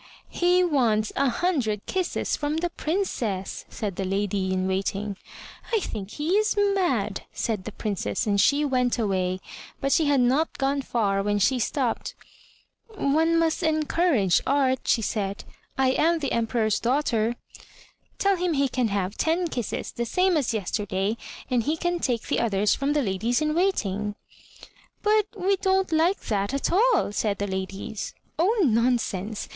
"He wants a hundred kisses from the Princess!" said the lady in waiting. "I think he is mad!" said the Princess, and she went away, but she had not gone far when she stopped. "One must encourage art," she said; "I am the Emperor's daughter. Tell him he can have ten kisses, the same as yester day, and he can take the others from the ladies in waiting." "But we don't like that at all," said the ladies. "Oh nonsense!